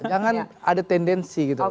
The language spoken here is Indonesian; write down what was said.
jangan ada tendensi gitu